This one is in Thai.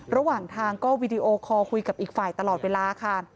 ระหว่างทางก็วีดีโอคอลคุยกับอีกฝ่ายตลอดเวลาค่ะ